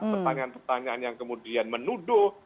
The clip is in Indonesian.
pertanyaan pertanyaan yang kemudian menuduh